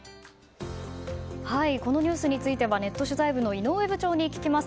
このニュースについてはネット取材部の井上部長に聞きます。